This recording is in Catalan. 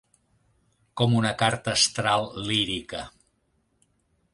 Com una carta astral lírica.